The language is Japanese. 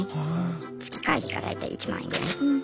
月会費が大体１万円ぐらい。